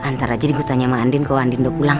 ntar aja gue tanya sama andien kalo andien udah pulang